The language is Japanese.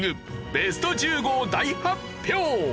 ベスト１５を大発表！